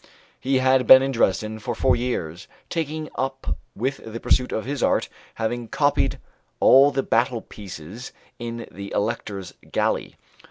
He had been at Dresden for four years, taken up with the pursuit of his art, having copied all the battle pieces in the Elector's Galley.